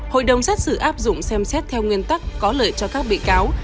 hội đồng xét xử áp dụng xem xét theo nguyên tắc có lợi cho các bị cáo